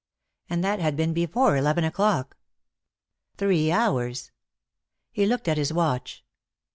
And that had been before eleven o'clock. Three hours. He looked at his watch.